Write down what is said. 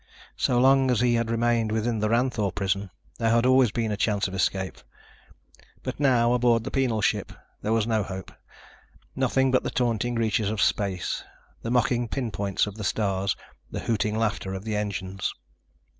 So long as he had remained within the Ranthoor prison, there had always been a chance of escape. But now, aboard the penal ship, there was no hope. Nothing but the taunting reaches of space, the mocking pinpoints of the stars, the hooting laughter of the engines.